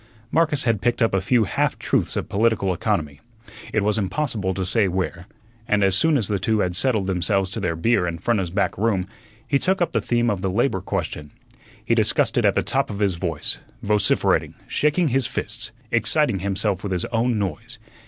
Marcus had picked up a few half truths of political economy it was impossible to say where and as soon as the two had settled themselves to their beer in Frenna's back room he took up the theme of the labor question. He discussed it at the top of his voice, vociferating, shaking his fists, exciting himself with his own noise.